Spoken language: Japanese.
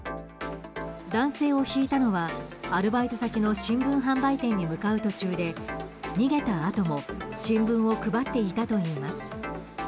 男性をひいたのはアルバイト先の新聞販売店に向かう途中で、逃げたあとも新聞を配っていたといいます。